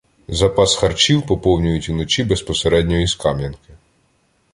Запас харчів поповнюють уночі безпосередньо із Кам'янки.